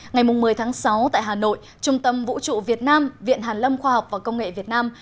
ngày một mươi tháng sáu tại hà nội trung tâm vũ trụ việt nam viện hàn lâm khoa học và công nghệ việt nam